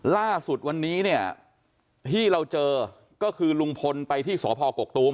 ล่าสุดวันนี้เนี่ยที่เราเจอก็คือลุงพลไปที่สพกกตูม